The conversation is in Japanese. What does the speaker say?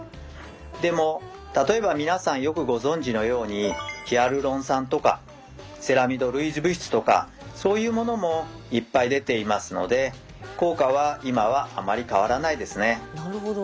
でも例えば皆さんよくご存じのようにヒアルロン酸とかセラミド類似物質とかそういうものもいっぱい出ていますので効果は今はあまり変わらないですね。